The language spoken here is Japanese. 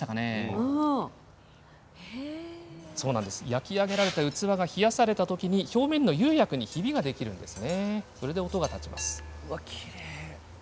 焼き上げられた器が冷やされて表面の釉薬にひびができるんです。